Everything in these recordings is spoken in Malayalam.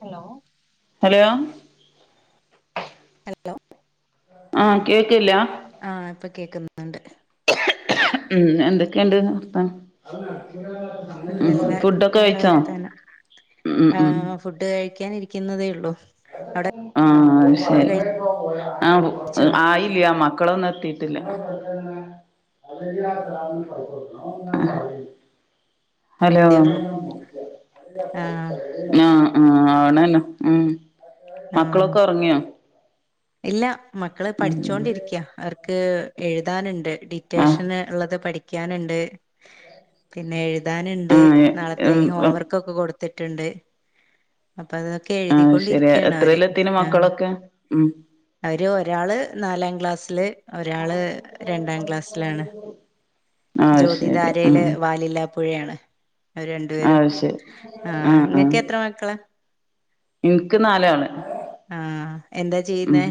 ഹലോ ഹലോ ലോ ആഹ് കേക്ക്‌ ല്ല? ആഹ് പ്പൊ കേക്കുന്നുണ്ട് ഉം എന്തൊക്കെണ്ട് വർത്താനം? നല്ല ഉം ല്ലെ ഫുഡൊക്കെ നല്ല കഴിച്ചോ വർത്താനം ഉം ഉം ആഹ് ഫുഡ് കഴിക്കാൻ ഇരി ക്കുന്നതെയുള്ളു ആഹ് ശരി ആ കഴിച്ചോ ആയില്ല്യ മക്കളൊന്നു എത്തി ത്തില്യ ഹലോ അതേ ഉള്ളൂ ആഹ് ആ ആണെനൊ ഉം ആഹ് മക്കളൊക്കെ ഒർങ്യോ? ഇല്ല മക്കള് പഠിച്ചോണ്ടിരിക്ക്യാ അവർ ക്ക് എഴുതാന്ണ്ട് ആഹ് ഡിറ്റേഷന് ള്ളത് പഠി ക്ക്യാന്ണ്ട് പിന്നെ എഴു താന്ണ്ട് നാളത്തേക്ക് ആഹ് ഹോംവർക്ക് ഒക്കെ കൊടു ത്ത്ട്ടുണ്ട് അത് ശരി എത്രേല് എത്തീന് ആഹ് മക്കളൊക്കെ ഉം അവര് ഒരാള് നാലാം ക്ലാസ് [unintelligible] ഒരാള് രണ്ടാം ക്ലാസ്സിലാണ് ആഹ് ശരി ജ്യോതിദാരയില് ആഹ് വാലില്ലാ പ്പുഴയാണ് അവര് രണ്ടു പേരും ആഹ് ശരി ആഹ് ഇങ്ങക്ക് എത്ര മക്കള എനിക്ക് നാലാള് ആ എന്താ ഉം ചെയ്യുന്നേ?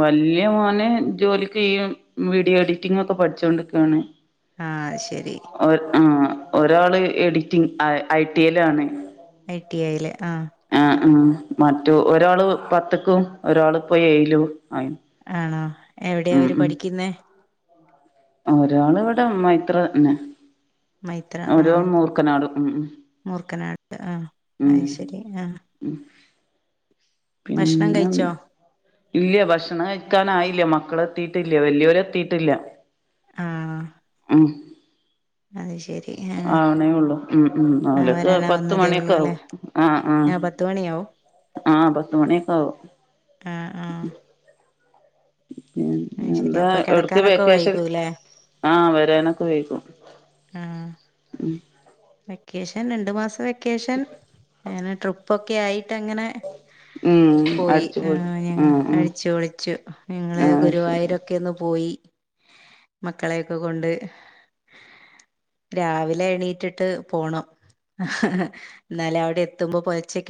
വല്യ മോന് ജോലിക്ക് ഈ വീഡിയോ എഡിറ്റിംങ്ങ് ഒക്കെ പഠിച്ചോണ്ട് നിക്കാണ് ആ അത് ശരി ഒരാള് editing I, I. T. A ലാണ് ഐ. ടി. ഐ യില് ആ ആഹ് മറ്റു ഒരാള് പത്ത്ക്കും ഒരാള് ഇപ്പോ ഏയിലും ആയി ആ എവിടെയാ ഉം അവര് ഉം പഠിക്കുന്നേ ഒരാള് ഇവിടെ മൈത്രന്നെ മൈത്ര ആഹ് ഒരാള് മൂർക്കനാട് ഉം ഉം മൂർക്കനാട് ആഹ് ഉം അയ്ശരി ആഹ് ഭക്ഷണം കഴിച്ചോ പിന്നെന്താ ഇല്ല ഭക്ഷണം കഴിക്കാനായില്ല മക്കള് എത്തിയിട്ടില്ല വലിയവര് എത്തിയിട്ടില്ല. ആഹ് ഉം അത് ശരി ആഹ് ആവണേ ഉള്ളു ഉം ഉ ആഹ് അവരൊക്കെ വരാനാവുന്നതേ ഉള്ളൂ പത്തുമണിയൊക്കെ ആകും അല്ലേ ആ ആ ആഹ് പത്ത് മണിയാവും ആഹ് പത്തുമണിയൊക്കെ ആകും. ആഹ് ആഹ് അത് ശരി പിന്നെന്താ അപ്പൊ ഒട്ക്കെ കിടക്കാനൊക്കെ വെക്കേഷൻ വൈകൂല്ലേ ആഹ് വരാനൊക്കെ വൈകും. ആഹ് വെക്കേഷൻ രണ്ട് മാസം വെ ക്കേഷൻ എങ്ങനെ ട്രിപ്പൊക്കെയായി ട്ടങ്ങനെ ഉം പോയി അടിച്ചു പൊളിച്ചു ഏഹ് ഉം ഞങ്ങള് ഉം അടിച്ചു പൊളിച്ചു ഞങ്ങള് ആഹ് ശരി ഗുരുവായൂരൊക്കെ ഒന്ന് പോയി. മക്കളെയൊക്കെ കൊണ്ട് രാവിലെ എണീറ്റിട്ട് പോണം ഹ ഹ് എന്നാല അവിടെ എത്തുമ്പോ പുലച്ചക്ക്